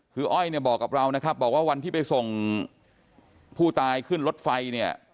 คืออ้อยเนี่ยบอกกับเรานะครับบอกว่าวันที่ไปส่งผู้ตายขึ้นรถไฟเนี่ย